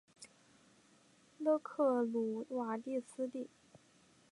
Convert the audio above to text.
勒克鲁瓦斯蒂。